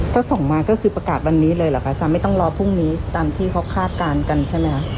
ถ้าส่งมาก็คือประกาศวันนี้เลยเหรอคะอาจารย์ไม่ต้องรอพรุ่งนี้ตามที่เขาคาดการณ์กันใช่ไหมคะ